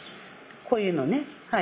こういうのねはい。